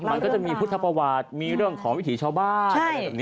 มันก็จะมีพุทธประวัติมีเรื่องของวิถีชาวบ้านอะไรแบบนี้